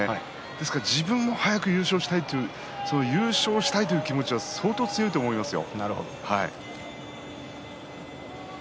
ですから自分も早く優勝したいという気持ちは相当強いと思いますよ。